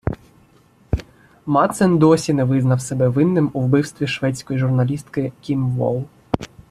Мадсен досі не визнав себе винним у вбивстві шведської журналістки Кім Волл.